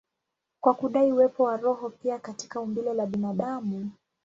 kwa kudai uwepo wa roho pia katika umbile la binadamu.